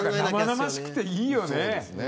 生々しくていいよね。